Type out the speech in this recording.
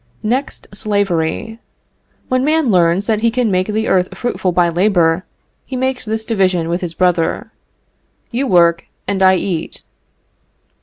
Next slavery. When man learns that he can make the earth fruitful by labor, he makes this division with his brother: "You work and I eat."